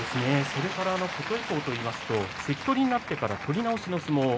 それから琴恵光といいますと関取になってから取り直しの相撲